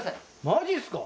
マジですか。